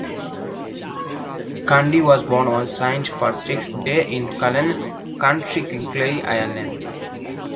Cudahy was born on Saint Patrick's Day in Callan, County Kilkenny, Ireland.